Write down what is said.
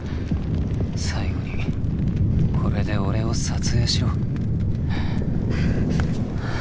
最後にこれで俺を撮影しろ。